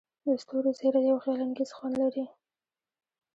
د ستورو زیرۍ یو خیالانګیز خوند لري.